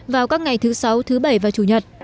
vào các ngày thứ sáu thứ bảy và chủ nhật